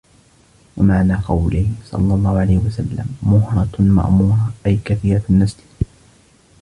وَمَعْنَى قَوْلِهِ صَلَّى اللَّهُ عَلَيْهِ وَسَلَّمَ مُهْرَةٌ مَأْمُورَةٌ أَيْ كَثِيرَةُ النَّسْلِ